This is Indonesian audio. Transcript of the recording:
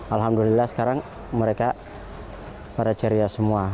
alhamdulillah sekarang mereka pada ceria semua